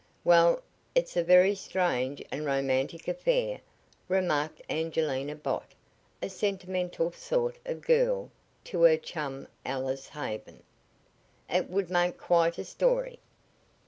"Well, it's a very strange and romantic affair," remarked Angelina Bott, a sentimental sort of girl, to her chum, Alice Haven. "It would make quite a story."